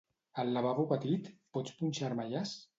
Al lavabo petit pots punxar-me jazz?